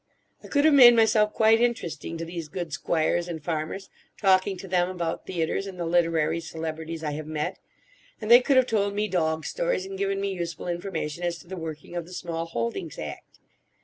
I could have made myself quite interesting to these good squires and farmers talking to them about theatres and the literary celebrities I have met; and they could have told me dog stories and given me useful information as to the working of the Small Holdings Act.